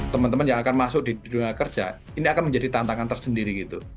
teman teman yang akan masuk di dunia kerja ini akan menjadi tantangan tersendiri gitu